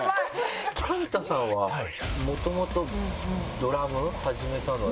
幹太さんはもともとドラム始めたのはどういう。